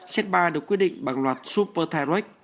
xét ba được quyết định bằng loạt super tyrox